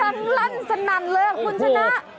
ดั่งชื่อพระพระคุณชนะ